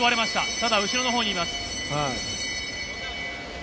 ただ後ろのほうにいます。